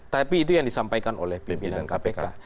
tapi itu yang disampaikan oleh pimpinan kpk